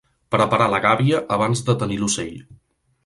Preparar la gàbia abans de tenir l'ocell.